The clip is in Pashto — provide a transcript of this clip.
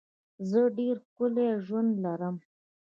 زه ډېر ښکلی ژوند لرم.